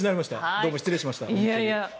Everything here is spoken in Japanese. どうも失礼しました。